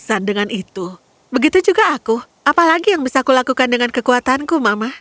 ada lagi yang bisa kulakukan dengan kekuatanku mama